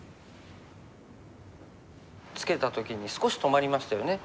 ツケた時に少し止まりましたよね。